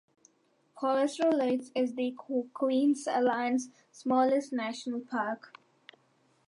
Coalstoun Lakes is Queensland's smallest national park.